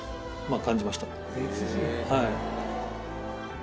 はい。